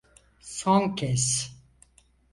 Son kez.